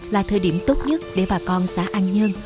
là thời điểm tốt nhất để bà con xã an nhơn